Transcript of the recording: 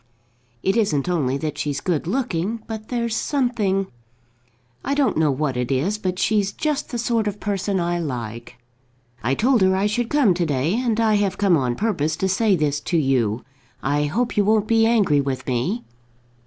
"It isn't only that she's good looking, but there's something, I don't know what it is, but she's just the sort of person I like. I told her I should come to day, and I have come on purpose to say this to you. I hope you won't be angry with me."